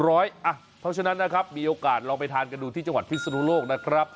เพราะฉะนั้นนะครับมีโอกาสลองไปทานกันดูที่จังหวัดพิศนุโลกนะครับ